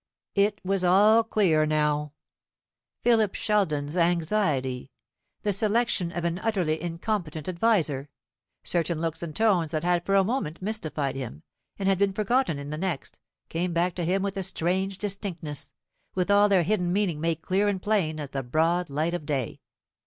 It was all clear now. Philip Sheldon's anxiety; the selection of an utterly incompetent adviser; certain looks and tones that had for a moment mystified him, and had been forgotten in the next, came back to him with a strange distinctness, with all their hidden meaning made clear and plain as the broad light of day.